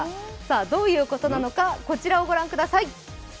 どういうことなのかこちらをご覧ください。